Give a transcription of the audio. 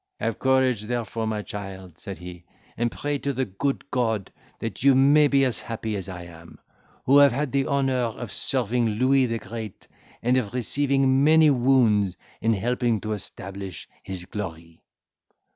"Have courage, therefore, my child," said he, "and pray to the good God, that you may be as happy as I am, who have had the honour of serving Louis the Great, and of receiving many wounds, in helping to establish his glory."